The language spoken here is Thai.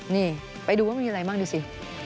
นี่ไปดูว่ามันมีอะไรบ้างดูสิ